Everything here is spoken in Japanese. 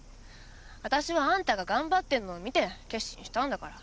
わたしはあんたが頑張ってんのを見て決心したんだから。